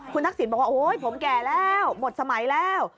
คุณทักษิณบอกว่าโอ๊ยผมแก่แล้วหมดสมัยแล้ว